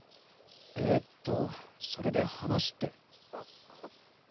えーっとそれで話って？